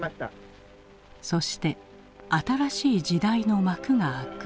そして新しい時代の幕が開く。